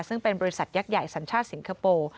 ซึ่งเป็นบริษัทยักษ์ใหญ่สัญชาติสิงคโปร์